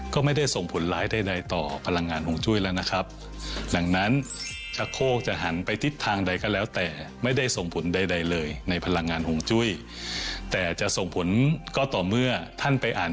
ก็ไม่ได้ส่งผลร้ายใดต่อพลังงานห่วงจุ้ยแล้วนะครับ